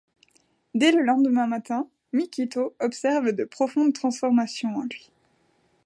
Dès le lendemain matin, Mikito observe de profondes transformations en lui.